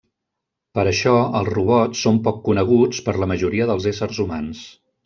Per això els robots són poc coneguts per a la majoria dels éssers humans.